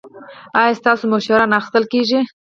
ایا ستاسو مشوره نه اخیستل کیږي؟